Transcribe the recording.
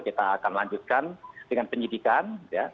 kita akan lanjutkan dengan penyidikan